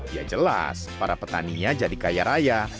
ya jelas para petaninya jadi kaya raya